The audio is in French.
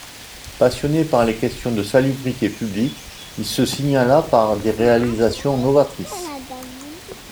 Passionné par les questions de salubrité publique, il se signala par des réalisations novatrices.